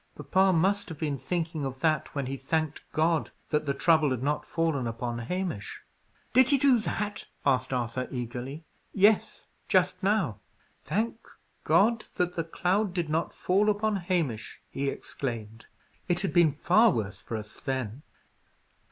Papa must have been thinking of that when he thanked God that the trouble had not fallen upon Hamish." "Did he do that?" asked Arthur, eagerly. "Yes, just now. 'Thank God that the cloud did not fall upon Hamish!' he exclaimed. 'It had been far worse for us then.